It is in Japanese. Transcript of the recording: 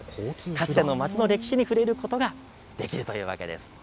かつての町の歴史に触れることができるというわけです。